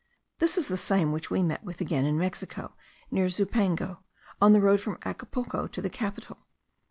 This is the same which we met with again in Mexico, near Zumpango, on the road from Acapulco to the capital.